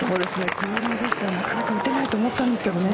下りですからなかなか打てないと思ってたんですけどね。